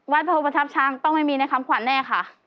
พระประทับช้างต้องไม่มีในคำขวัญแน่ค่ะ